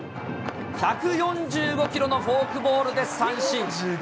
１４５キロのフォークボールで三振。